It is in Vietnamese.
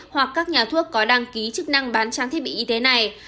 hoặc các nhà thuốc có đăng ký chức năng bán trang thiết bị y tế này